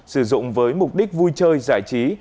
sử dụng với mục đích vui chơi giải trí